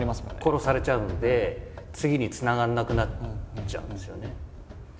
殺されちゃうので次につながらなくなっちゃうんですよね。